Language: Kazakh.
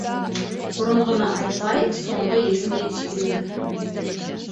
Бұрынғыны айтпай, соңғы есіңе түспейді.